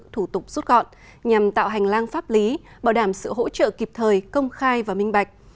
thủ tục rút gọn nhằm tạo hành lang pháp lý bảo đảm sự hỗ trợ kịp thời công khai và minh bạch